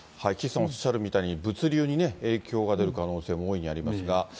おっしゃるみたいに、物流に影響が出る可能性も大いにありますが。